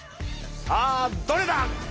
さあどれだ？